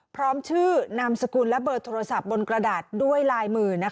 พร้อมชื่อนามสกุลและเบอร์โทรศัพท์บนกระดาษด้วยลายมือ